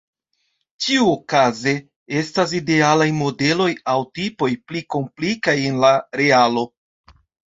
Ĉiuokaze, estas idealaj modeloj aŭ tipoj, pli komplikaj en la realo.